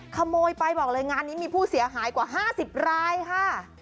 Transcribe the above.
ขโมยไปบอกเลยงานนี้มีผู้เสียหายกว่า๕๐รายค่ะ